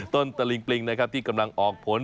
ตะลิงปลิงนะครับที่กำลังออกผล